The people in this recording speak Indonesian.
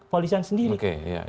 polisian sendiri oke iya